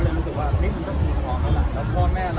ตอนการได้เจอแม่เพื่อน